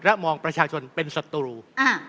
และมองประชาชนเป็นศัตรู